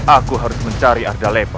aku harus mencari arda lema